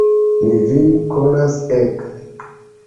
Mi vin konas, ek!